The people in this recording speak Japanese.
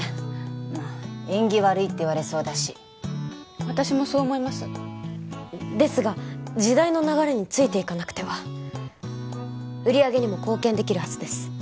まあ縁起悪いって言われそうだし私もそう思いますですが時代の流れについていかなくては売り上げにも貢献できるはずです